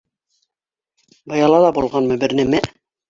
Быяла ла булғанмы бер нәмә.